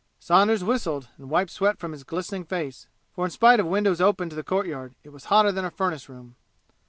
Saunders whistled and wiped sweat from his glistening face, for in spite of windows open to the courtyard it was hotter than a furnace room.